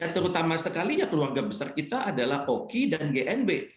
terutama sekalinya keluarga besar kita adalah oki dan gnb